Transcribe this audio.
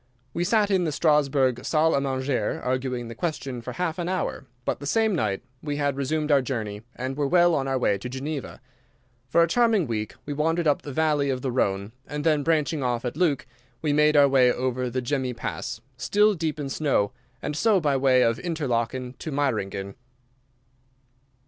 We sat in the Strasburg salle à manger arguing the question for half an hour, but the same night we had resumed our journey and were well on our way to Geneva. For a charming week we wandered up the Valley of the Rhone, and then, branching off at Leuk, we made our way over the Gemmi Pass, still deep in snow, and so, by way of Interlaken, to Meiringen.